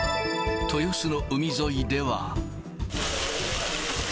豊洲の海沿いでは。